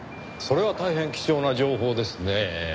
それは大変貴重な情報ですねぇ。